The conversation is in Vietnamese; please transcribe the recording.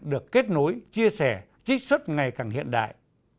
được kết nối chia sẻ trích xuất ngày càng hiện đại